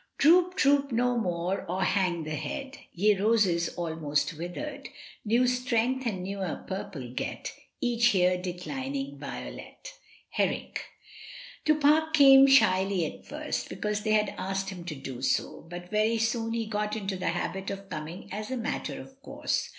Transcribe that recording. Droop, droop no more or hang the head, Ye roses almost withered, New strength and newer purple get, Each here declining violet. Herrick. Du PARC came, shyly at first, because they had asked him to do so, but very soon he got into the habit of coming as a matter of course.